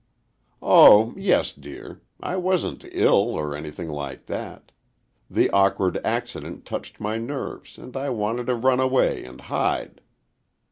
"Oh, yes, dear. I wasn't ill, or anything like that. The awkward accident touched my nerves, and I wanted to run away and hide."